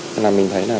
nên là mình thấy